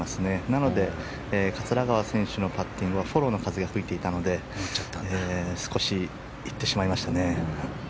なので桂川選手のパッティングはフォローの風が吹いていたので少し行ってしまいましたね。